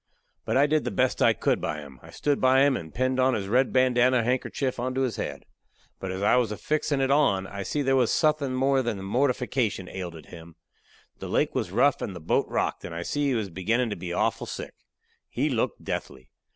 But I did the best I could by him. I stood by him and pinned on his red bandanna handkerchief onto his head. But as I was a fixin' it on, I see there was suthin' more than mortification ailded him. The lake was rough and the boat rocked, and I see he was beginning to be awful sick. He looked deathly.